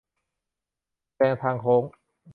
แซงทางโค้ง